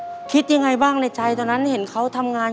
อเรนนี่ต้องมีวัคซีนตัวหนึ่งเพื่อที่จะช่วยดูแลพวกม้ามและก็ระบบในร่างกาย